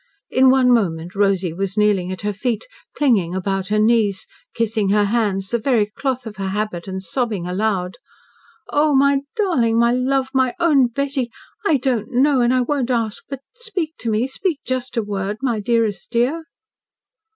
In one moment Rosy was kneeling at her feet, clinging about her knees, kissing her hands, the very cloth of her habit, and sobbing aloud. "Oh, my darling my love my own Betty! I don't know and I won't ask but speak to me speak just a word my dearest dear!"